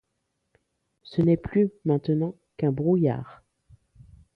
Ce n’est plus, maintenant, qu’un brouillard.